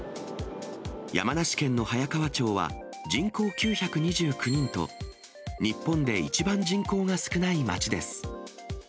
山梨県の早川町は、人口９２９人と、日本で一番人口が少ない町です。